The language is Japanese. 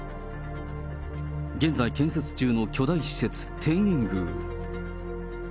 現在、建設中の巨大施設、天苑宮。